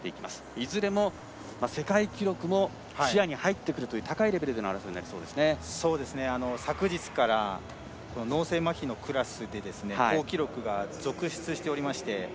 いずれも世界記録も視野に入ってくるという高いレベルでの争いに昨日から脳性まひのクラスで好記録が続出しておりまして。